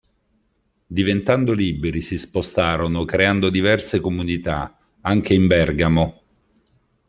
Diventando liberi si spostarono creando diverse comunità, anche in Bergamo.